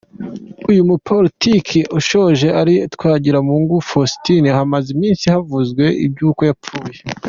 Uyu munyapolitiki ushaje ari we Twagiramungu Faustin , hamaze iminsi havuzwe iby’uko yapfuye.